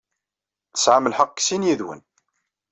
Tesɛam lḥeqq deg sin yid-wen.